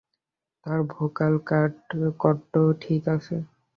তার vocal cord ঠিক আছে।